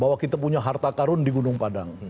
bahwa kita punya harta karun di gunung padang